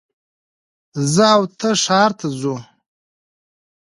زه او ته ښار ته ځو